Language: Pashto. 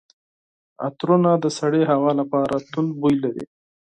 عطرونه د سړې هوا لپاره توند بوی لري.